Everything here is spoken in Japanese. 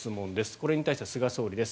これに対して菅総理です。